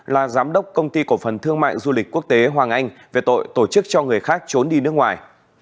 là giám đốc công ty cổ phần thương mại du lịch quốc tế hoàng anh về tội tổ chức cho người khác trốn đi nước ngoài